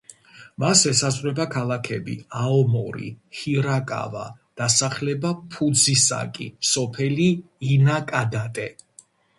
მას ესაზღვრება ქალაქები აომორი, ჰირაკავა, დასახლება ფუძისაკი, სოფელი ინაკადატე.